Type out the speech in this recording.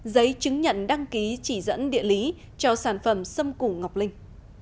giấy chứng nhận đăng ký chỉ dẫn địa lý cho sản phẩm xâm củ ngọc linh